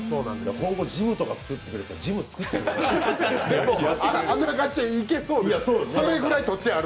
今後ジムとか作ってくれっていったらジム作ってくれる。